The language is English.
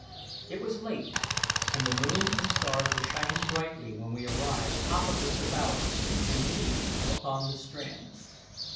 It was late, and the moon and stars were shining brightly when we arrived opposite the bower and leaped upon the strand.